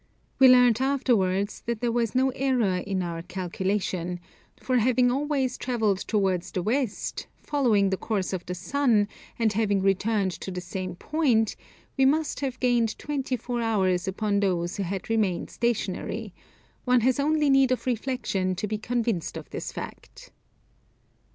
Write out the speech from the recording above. We learnt afterwards, that there was no error in our calculation, for having always travelled towards the west, following the course of the sun, and having returned to the same point, we must have gained twenty four hours upon those who had remained stationary; one has only need of reflection to be convinced of this fact."